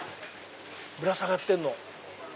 ぶら下がってんの。